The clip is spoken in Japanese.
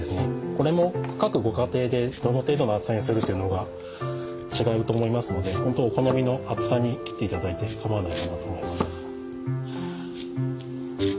これも各ご家庭でどの程度の厚さにするというのが違うと思いますのでほんとお好みの厚さに切っていただいてかまわないと思います。